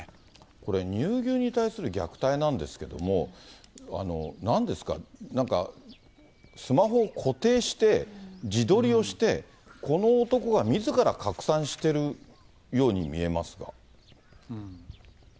これ乳牛に対する虐待なんですけども、なんですか、なんかスマホを固定して、自撮りをして、この男がみずから拡散してるように見えますが。